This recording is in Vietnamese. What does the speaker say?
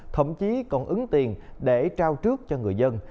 thậm chí còn ứng tiền để trao trước cho người dân